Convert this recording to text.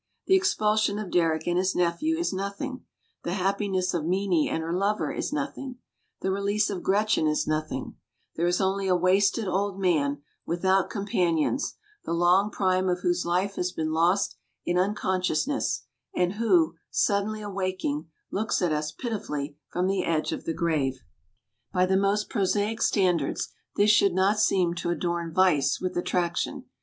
The expulsion of Derrick and his nephew is nothing, the happiness of Meenie and her lover is nothing, the release of Gretchen is nothing, there is only a wasted old man, without companions, the long prime of whose life has been lost in unconsciousness, and who, suddenly awaking, looks at us pitifully from the edge of the grave. By the most prosaic standards this should not seem to adorn vice with attraction.